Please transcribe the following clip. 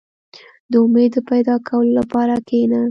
• د امید د پیدا کولو لپاره کښېنه.